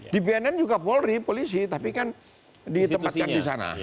di bnn juga polri polisi tapi kan ditempatkan disana